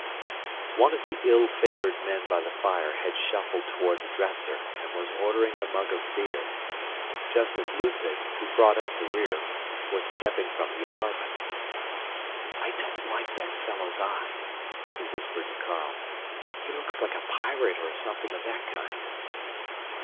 One of the ill favored men by the fire had shuffled toward the dresser and was ordering a mug of beer, just as Ludwig, who brought up the rear, was stepping from the apartment. "I don't like that fellow's eye," he whispered to Carl. "He looks like a pirate or something of that kind."